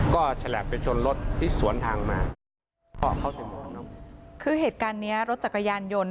ก็ฉลับไปชนรถที่สวนทางมาคือเหตุการณ์เนี้ยรถจักรยานยนต์